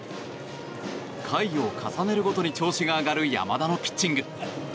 回を重ねるごとに調子が上がる山田のピッチング。